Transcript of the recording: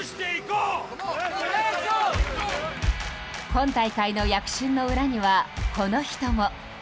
今大会の躍進の裏にはこの人も。